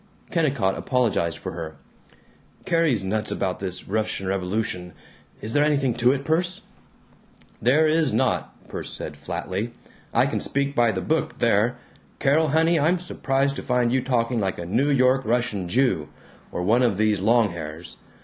Kennicott apologized for her: "Carrie's nuts about this Russian revolution. Is there much to it, Perce?" "There is not!" Bresnahan said flatly. "I can speak by the book there. Carol, honey, I'm surprised to find you talking like a New York Russian Jew, or one of these long hairs!